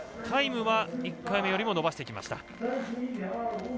タイムは１回目よりも伸ばしてきました。